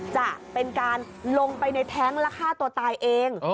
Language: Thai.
จะเป็นการลงไปในแท้งและฆ่าตัวตายเอง